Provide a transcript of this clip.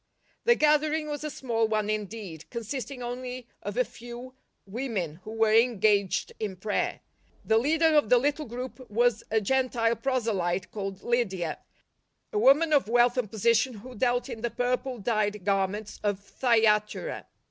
The gathering was a small one indeed, consisting only of a few. women, who were engaged in prayer. The leader of the little group was a Gentile proselyte called Lydia, a woman of wealth and position who dealt in the purple dyed garments of Thyatira.